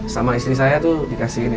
sama istri saya tuh dikasih ini